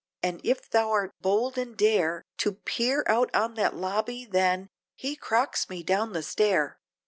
And if thou'rt bold and dare, To peer out on that lobby then, he crocks me down the stair!